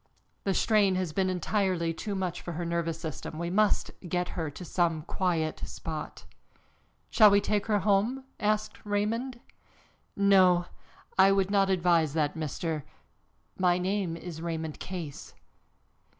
The strain has been entirely too much for her nervous system. We must get her to some quiet spot." "Shall we take her home?" asked Raymond. "No, I would not advise that, Mr. " "My name is Raymond Case."